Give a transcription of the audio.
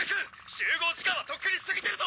集合時間はとっくに過ぎてるぞ！